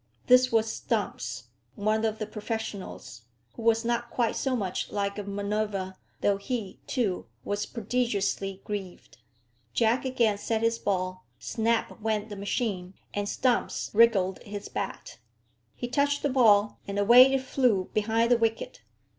This was Stumps, one of the professionals, who was not quite so much like a Minerva, though he, too, was prodigiously greaved. Jack again set his ball, snap went the machine, and Stumps wriggled his bat. He touched the ball, and away it flew behind the wicket.